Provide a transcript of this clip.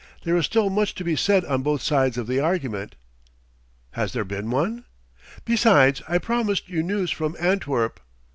There is still much to be said on both sides of the argument." "Has there been one?" "Besides, I promised you news from Antwerp."